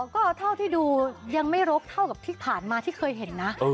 ก็เท่าที่ดูยังไม่รกเท่ากับที่ผ่านมาที่เคยเห็นนะ